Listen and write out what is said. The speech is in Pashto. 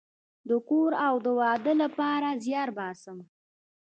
د کور او د واده لپاره زیار باسم